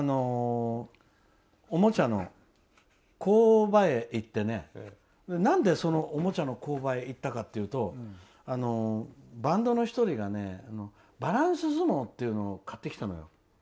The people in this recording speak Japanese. そうしたらおもちゃの工場へ行ってなぜ、おもちゃの工場へ行ったかというとバンドの１人がバランス相撲というのを買ってきたのよ。